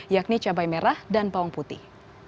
yakni cabai merah dan bawang putih